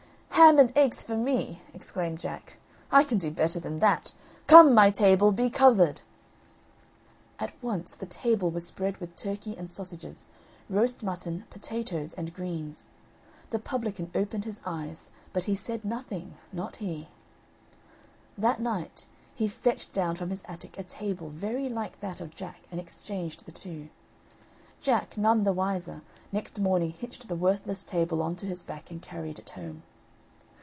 "Ham and eggs for me!" exclaimed Jack. "I can do better than that. Come, my table, be covered!" At once the table was spread with turkey and sausages, roast mutton, potatoes, and greens. The publican opened his eyes, but he said nothing, not he. That night he fetched down from his attic a table very like that of Jack, and exchanged the two. Jack, none the wiser, next morning hitched the worthless table on to his back and carried it home.